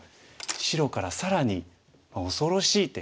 白から更に恐ろしい手。